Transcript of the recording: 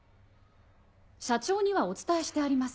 社長にはお伝えしてあります。